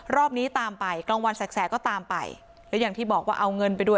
รอบนี้ตามไปกลางวันแสกก็ตามไปแล้วอย่างที่บอกว่าเอาเงินไปด้วย